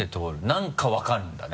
なんか分かるんだね？